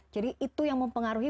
jadi itu yang mempengaruhi